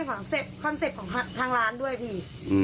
และก็มันเป็นคอนเซ็ปต์ของทางร้านด้วยพี่